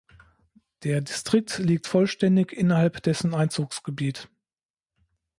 Der Distrikt liegt vollständig innerhalb dessen Einzugsgebiet.